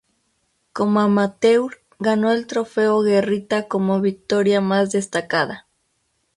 Como amateur ganó el Trofeo Guerrita como victoria más destacada.